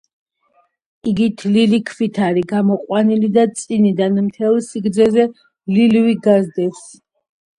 იგი თლილი ქვით არის გამოყვანილი და წინიდან, მთელ სიგრძეზე, ლილვი გასდევს.